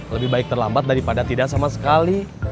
lebih baik terlambat daripada tidak sama sekali